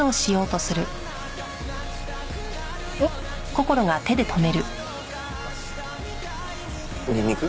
あっニンニク？